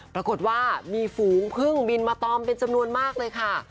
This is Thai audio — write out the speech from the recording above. ปรากฏว่ามีฝูงพึ่งบินมาตอมเป็นจำนวนมากเลยค่ะ